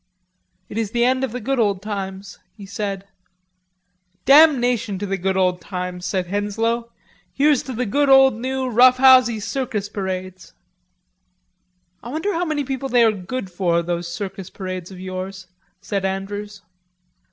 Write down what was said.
"It is the end of the good old times," he said. "Damnation to the good old times," said Henslowe. "Here's to the good old new roughhousy circus parades." "I wonder how many people they are good for, those circus parades of yours," said Andrews.